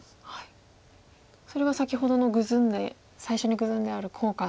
それが先ほどのグズんで最初にグズんである効果なんですね。